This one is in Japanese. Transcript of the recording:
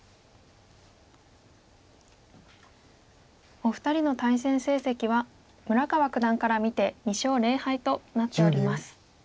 お二人の対戦成績は村川九段から見て２勝０敗となっております。